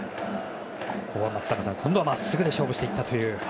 ここは松坂さん今度はまっすぐで勝負していったという。